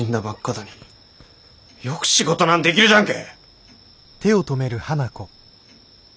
だによく仕事なんできるじゃんけ！